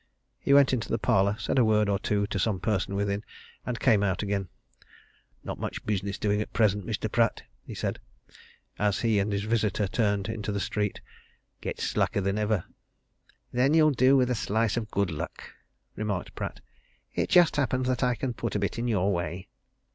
He went into the parlour, said a word or two to some person within, and came out again. "Not much business doing at present, Mr. Pratt," he said, as he and his visitor turned into the street. "Gets slacker than ever." "Then you'll do with a slice of good luck," remarked Pratt. "It just happens that I can put a bit in your way."